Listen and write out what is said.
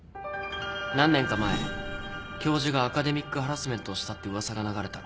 何年か前教授がアカデミックハラスメントをしたって噂が流れた。